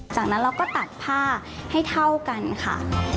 จากนั้นเราก็ตัดผ้าให้เท่ากันค่ะ